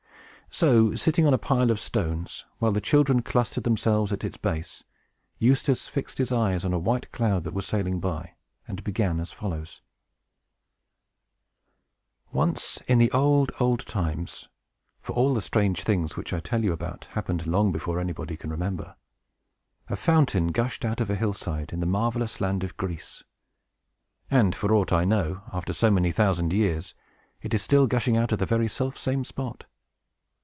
So, sitting on the pile of stones, while the children clustered themselves at its base, Eustace fixed his eyes on a white cloud that was sailing by, and began as follows. THE CHIMÆRA Once, in the old, old times (for all the strange things which I tell you about happened long before anybody can remember), a fountain gushed out of a hill side, in the marvelous land of Greece. And, for aught I know, after so many thousand years, it is still gushing out of the very selfsame spot.